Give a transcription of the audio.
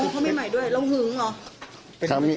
อ๋อเขามีใหม่ด้วยแล้วหึงเหรอ